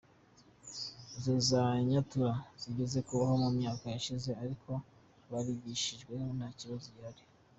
Izo za Nyatura zigeze kubaho mu myaka yashize ariko barigishijwe nta kibazo kigihari.